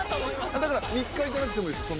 だから密会じゃなくてもいいです